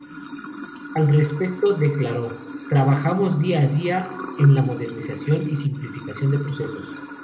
Al respecto declaró:"Trabajamos día a día en la modernización y simplificación de procesos.